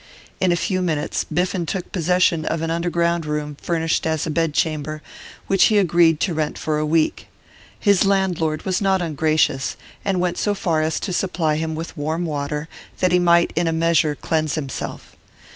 In a few minutes Biffen took possession of an underground room furnished as a bedchamber, which he agreed to rent for a week. His landlord was not ungracious, and went so far as to supply him with warm water, that he might in a measure cleanse himself.